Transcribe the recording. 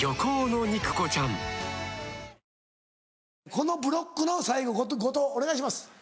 このブロックの最後後藤お願いします。